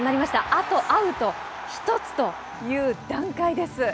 あとアウト１つという段階です。